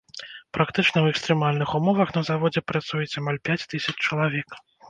Практычна ў экстрэмальных умовах на заводзе працуюць амаль пяць тысяч чалавек.